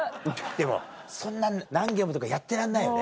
でもそんな何軒もとかやってらんないよね。